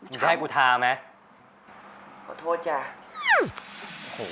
ชื่อฟอยแต่ไม่ใช่แฟง